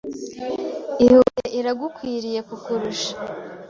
Ihute iragukwiriye kukurusha